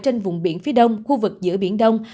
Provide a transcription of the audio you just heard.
trên vùng biển phía đông khu vực giữa biển đông